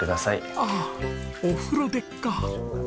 ああお風呂でっか！